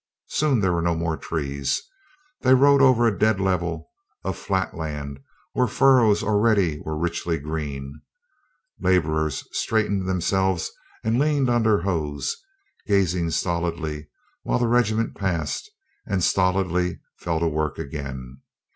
Soon there were no more trees. They AT WITNEY TOWN 245 rode over a dead level of flat land where the fur rows already were richly green. Laborers straight ened themselves and leaned on their hoes, gazing stolidly while the regiment passed and stolidly fell to work again.